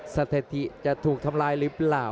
สถิติที่สาหรับหรือเปล่า